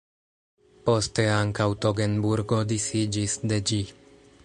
Poste ankaŭ Togenburgo disiĝis de ĝi.